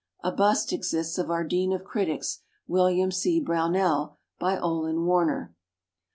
A bust ex ists of our dean of critics, William C. Brownell, by Olin Warner.